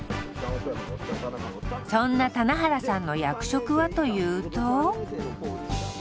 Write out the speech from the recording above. そんな棚原さんの役職はというと。